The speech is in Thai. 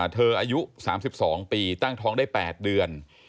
อายุ๓๒ปีตั้งท้องได้๘เดือน